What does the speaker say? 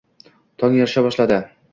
Tong yorisha boshladi